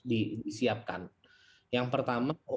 disiapkan yang pertama